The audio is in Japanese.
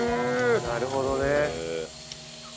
なるほどね。